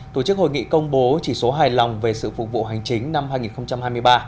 tổ chức hội nghị công bố chỉ số hài lòng về sự phục vụ hành chính năm hai nghìn hai mươi ba